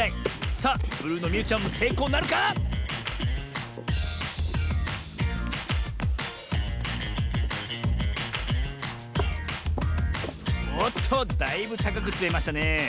さあブルーのみゆちゃんもせいこうなるか⁉おっとだいぶたかくつめましたねえ。